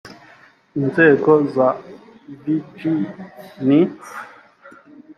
inzego za vyg ni